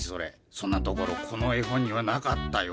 そんなところこの絵本にはなかったよ。